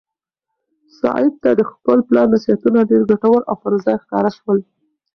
سعید ته د خپل پلار نصیحتونه ډېر ګټور او پر ځای ښکاره شول.